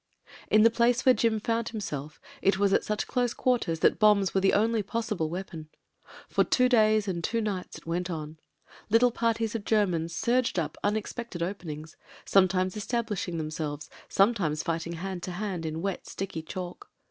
... In the place where Jim fotmd himself it was at such close quarters that bombs were the only possible weapon. For two days and two nights it went oa Little parties of Germans surged up unexpected open ings, sometimes establishing themselves, scxnetimes fighting hand to hand in wet, sticky chalk.